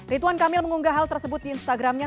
rituan kamil mengunggah hal tersebut di instagramnya